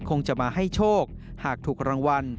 คงจะมาให้โชคหากถูกรางวัล